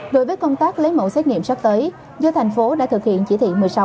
đối với công tác lấy mẫu xét nghiệm sắp tới do thành phố đã thực hiện chỉ thị một mươi sáu